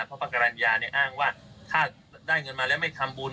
เพราะพระกรรณญาเนี่ยอ้างว่าถ้าได้เงินมาแล้วไม่ทำบุญ